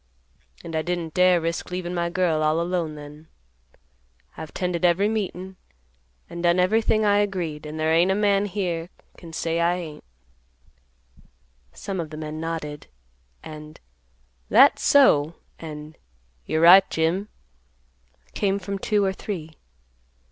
And I didn't dare risk leaving my girl all alone then. I've 'tended every meetin', and done everything I agreed, and there ain't a man here can say I ain't." Some of the men nodded, and "That's so," and "You're right, Jim" came from two or three.